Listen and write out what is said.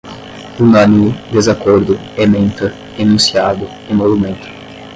unânime, desacordo, ementa, enunciado, emolumento